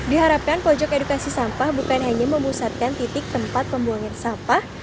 diharapkan pojok edukasi sampah bukan hanya memusatkan titik tempat pembuangan sampah